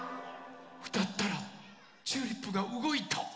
うたったらチューリップがうごいた！